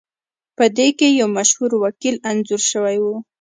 پدې کې یو مشهور وکیل انځور شوی و